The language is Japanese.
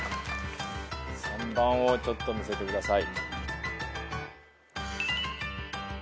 ３番をちょっと見せてください。